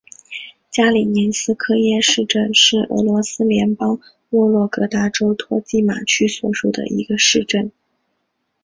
加里宁斯科耶市镇是俄罗斯联邦沃洛格达州托季马区所属的一个市镇。